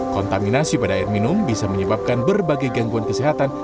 kontaminasi pada air minum bisa menyebabkan berbagai gangguan kesehatan